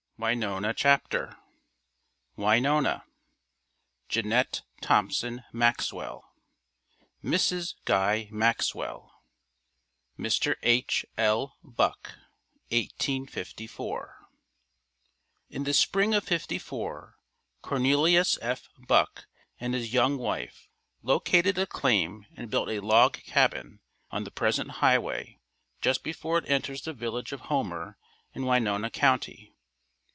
WENONAH CHAPTER Winona JEANETTE THOMPSON MAXWELL (Mrs. Guy Maxwell) Mr. H. L. Buck 1854. In the spring of '54 Cornelius F. Buck and his young wife, located a claim and built a log cabin on the present highway just before it enters the village of Homer in Winona County.